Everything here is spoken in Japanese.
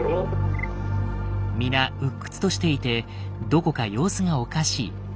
皆鬱屈としていてどこか様子がおかしい。